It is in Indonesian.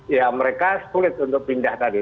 ya mereka sulit untuk pindah tadi